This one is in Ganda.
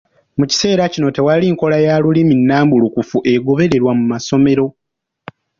Mu kiseera kino tewali nkola ya lulimi nnambulukufu egobererwa mu masomero.